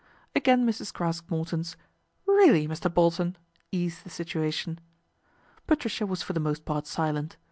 Again Mrs. Craske Morton's "Really, Mr. Bol n !" eased the situation. Patricia was for the most part silent.